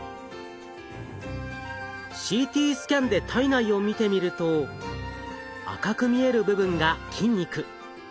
ＣＴスキャンで体内を見てみると赤く見える部分が筋肉。